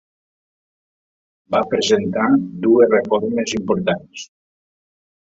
Va presentar dues reformes importants.